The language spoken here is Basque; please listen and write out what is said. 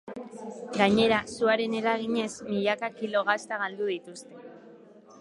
Gainera, suaren eraginez, milaka kilo gazta galdu dituzte.